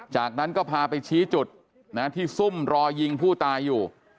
จากนั้นก็พาไปชี้จุดที่ซุ่มรอยิงผู้ตายอยู่